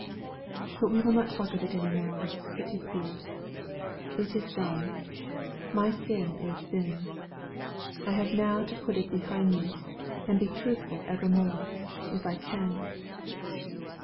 But we will not talk of that any more, if you please. It is done my sin is sinned. I have now to put it behind me, and be truthful for evermore, if I can."